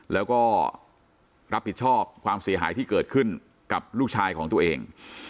แล้วก็รับผิดชอบความเสียหายที่เกิดขึ้นกับลูกชายของตัวเอง